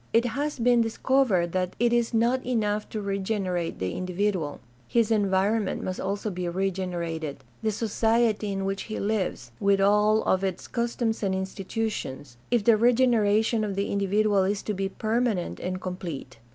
It has been dis covered that it is not enough to regenerate the individual; his environment must also be regenerated — ^the society in which he lives, with all of its customs and institutions — if the regeneration of the individual is to be permanent and com plete.